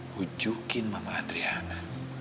hujukin mama adriana